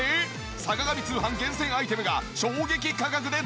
『坂上通販』厳選アイテムが衝撃価格で続々登場！